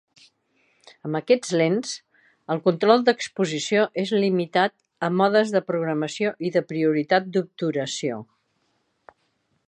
Amb aquestes lents, el control d'exposició és limitat a modes de programació i de prioritat d'obturació.